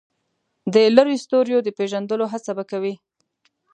د لرې ستوریو د پېژندلو هڅه به کوي.